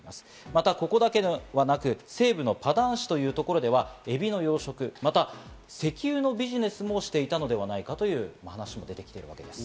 また、ここだけではなく西部のパダン市というところでは、エビの養殖、また石油のビジネスもしていたのではないかという話も出てきています。